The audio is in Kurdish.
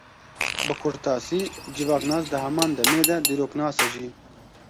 Bi kurtasî, civaknas di heman demê de dîroknas e jî.